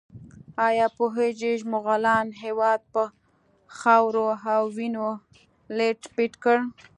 ایا پوهیږئ مغولانو هېواد په خاورو او وینو لیت پیت کړ؟